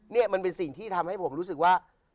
นี่มันเป็นสิ่งที่ทำให้ผมรู้สึกว่า